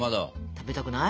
食べたくない？